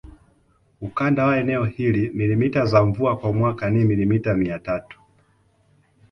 Ukanda wa eneo hili milimita za mvua kwa mwaka ni milimita mia tatu